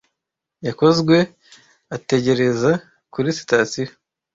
Yakozwe ategereza kuri sitasiyo